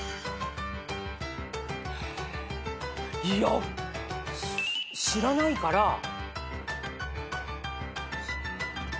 いや知らないから。